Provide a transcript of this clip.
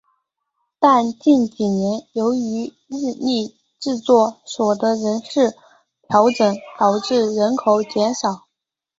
但近几年由于日立制作所的人事调整导致人口减少。